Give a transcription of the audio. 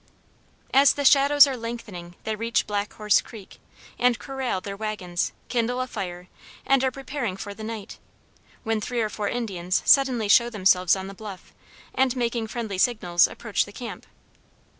As the shadows are lengthening they reach Black Horse Creek, and corrall their wagons, kindle a fire, and are preparing for the night, when three or four Indians suddenly show themselves on the bluff and making friendly signals approach the camp.